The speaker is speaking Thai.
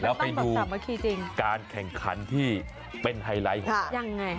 แล้วไปดูการแข่งขันที่เป็นไฮไลท์